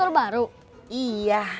yang g universo masi masi